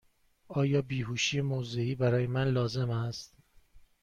آیا بیهوشی موضعی برای من لازم است؟